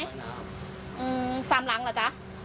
อืมสามหลังเหรอจ๊ะ